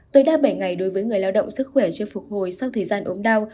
tối đa bảy ngày đối với người lao động sức khỏe chưa phục hồi sau thời gian ốm đau